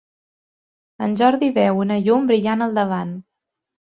En Jordi veu una llum brillant al davant.